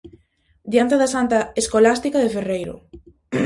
Diante da Santa Escolástica de Ferreiro.